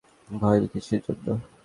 ভয় কিসের জন্য?